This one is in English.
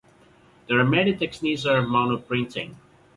There are many techniques of monoprinting.